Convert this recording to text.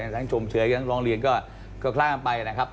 ชมเฉยทั้งร้องเรียนก็คล่างไปนะครับ